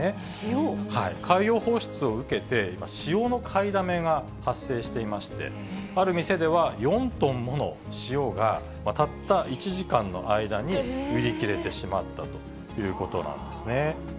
海洋放出を受けて、今、塩の買いだめが発生していまして、ある店では、４トンもの塩が、たった１時間の間に売り切れてしまったということなんですね。